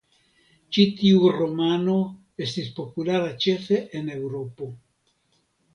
Ĉi tiu romano estis populara ĉefe en Eŭropo.